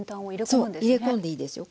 そう入れ込んでいいですよ。